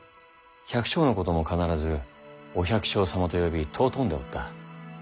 百姓のことも必ず「お百姓様」と呼び尊んでおった。